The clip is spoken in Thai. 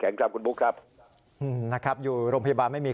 ครับคุณบุ๊คครับอืมนะครับอยู่โรงพยาบาลไม่มี